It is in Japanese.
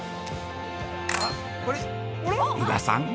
◆宇賀さん！